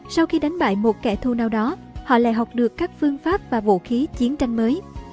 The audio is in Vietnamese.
sau khi đánh bại một kẻ thù nào đó họ lại học được các phương pháp và vũ khí chiến tranh mới